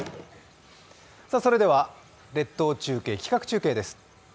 それでは、列島中継、企画中継です。